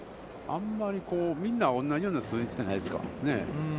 あまりこう、みんな同じような数字じゃないですか。